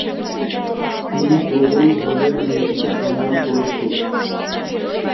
তুমি প্রবলভাবে মেয়েটিকে কামনা করেছ।